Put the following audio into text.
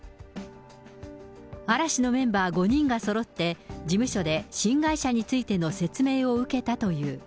嵐のメンバー５人がそろって事務所で新会社についての説明を受けたという。